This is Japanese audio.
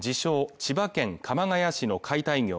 ・千葉県鎌ケ谷市の解体業